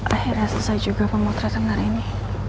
akhirnya selesai juga pemotretan hari ini